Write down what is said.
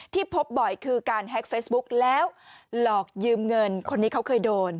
พบบ่อยคือการแฮ็กเฟซบุ๊กแล้วหลอกยืมเงินคนนี้เขาเคยโดน